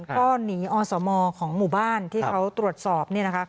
ก็หนีอสมของหมู่บ้านที่เขาตรวจสอบ